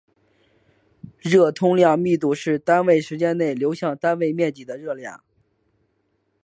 热通量密度是单位时间内流过单位面积的热量。